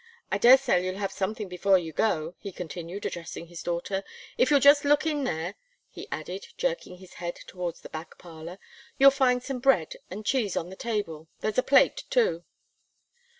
I dare say you'll have something before you go," he continued, addressing his daughter. "If you'll just look in there," he added, jerking his head towards the back parlour, "you'll find some bread and cheese on the table, there's a plate too."